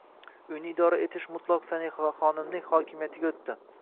Uyni idora etish mutlaq Sanihaxonimning hokimiyatiga o'tdi.